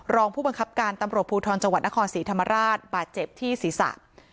รองผู้บังคับการตำรวจภูทรจังหวัดนครศรีธรรมราชบาดเจ็บที่ศีรษะ